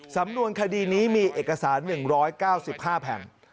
สำนวนคดีนี้มีเอกสาร๑๙๕แผ่น